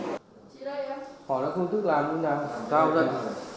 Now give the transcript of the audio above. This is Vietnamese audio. họ đã không tức là nguyên đán làm sao đây